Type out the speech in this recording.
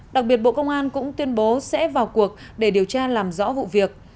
đặc biệt bộ công an cũng tuyên bố sẽ vào cuộc để điều tra làm rõ vụ việc